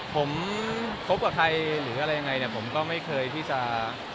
ผมคบกับใครหรืออะไรยังไงเนี่ยผมก็ไม่เคยที่จะ